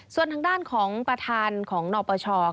ส่วนทางด้านของประธานของนปช